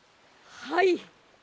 はい。